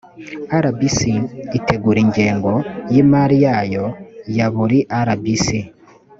rbc itegura ingengo y imari yayo ya buri rbc